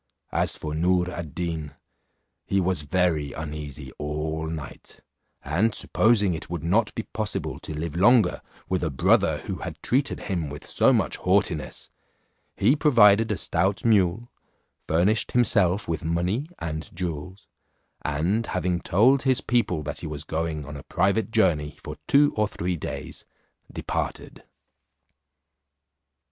As for Noor ad Deen, he was very uneasy all night, and supposing it would not be possible to live longer with a brother who had treated him with so much haughtiness, he provided a stout mule, furnished himself with money and jewels, and having told his people that he was going on a private journey for two or three days, departed.